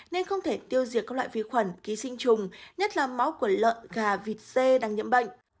nên không thể tiêu diệt các loại vi khuẩn ký sinh trùng nhất là máu của lợn gà vịt c đang nhiễm bệnh